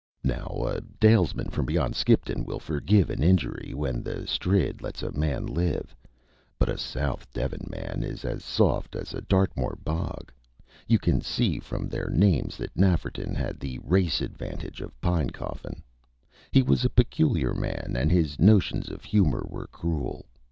Now, a Dalesman from beyond Skipton will forgive an injury when the Strid lets a man live; but a South Devon man is as soft as a Dartmoor bog. You can see from their names that Nafferton had the race advantage of Pinecoffin. He was a peculiar man, and his notions of humor were cruel.